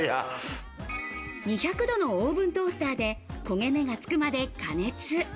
２００度のオーブントースターで、焦げ目がつくまで加熱。